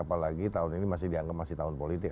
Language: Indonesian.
apalagi tahun ini masih dianggap masih tahun politik